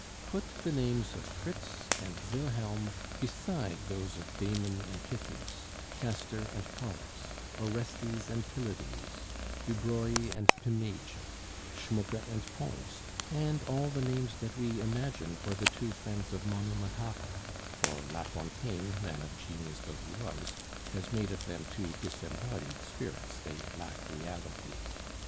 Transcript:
Put the names of Fritz and Wilheim beside those of Damon and Pythias, Castor and Pollux, Orestes and Pylades, Dubreuil and Pmejah, Schmucke and Pons, and all the names that we imagine for the two friends of Monomotapa, for La Fontaine (man of genius though he was) has made of them two disembodied spirits they lack reality.